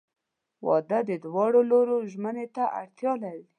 • واده د دواړو لورو ژمنې ته اړتیا لري.